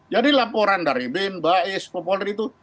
jadi laporan dari bin bais populer itu